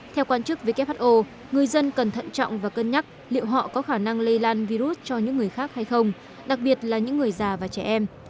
theo quan chức who người dân cần thận trọng và cân nhắc liệu họ có khả năng lây lan virus cho những người khác hay không đặc biệt là những người già và trẻ em